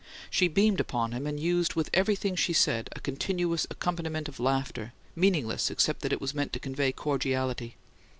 She beamed upon him, and used with everything she said a continuous accompaniment of laughter, meaningless except that it was meant to convey cordiality.